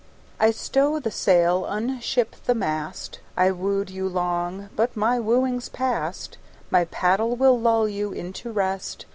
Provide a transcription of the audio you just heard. I stow the sail, unship the mast: I wooed you long but my wooing's past; My paddle will lull you into rest.